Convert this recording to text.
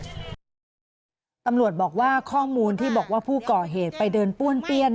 ตำรวจบอกว่าข้อมูลที่บอกว่าผู้ก่อเหตุไปเดินป้วนเปี้ยน